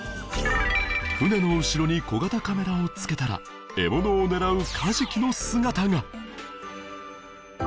船の後ろに小型カメラを付けたら獲物を狙うカジキの姿が